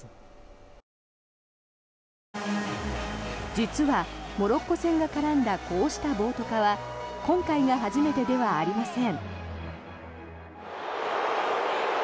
実は、モロッコ戦が絡んだこうした暴徒化は今回が初めてではありません。